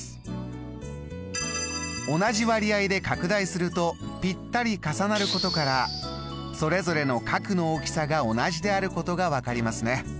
同じ割合で拡大するとぴったり重なることからそれぞれの角の大きさが同じであることが分かりますね。